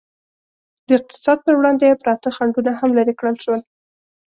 د اقتصاد پر وړاندې پراته خنډونه هم لرې کړل شول.